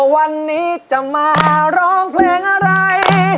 วันนี้จะมาร้องเพลงอะไร